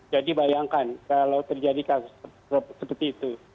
jadi bayangkan kalau terjadi kasus seperti itu